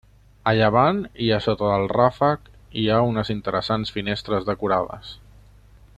A llevant i a sota del ràfec hi ha unes interessants finestres decorades.